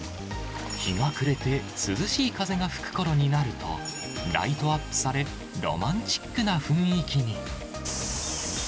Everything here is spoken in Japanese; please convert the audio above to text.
日が暮れて、涼しい風が吹くころになると、ライトアップされ、ロマンチックな雰囲気に。